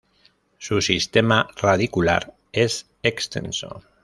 Su sistema radicular es extenso.